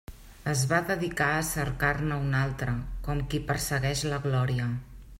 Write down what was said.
Es va dedicar a cercar-ne una altra, com qui persegueix la glòria.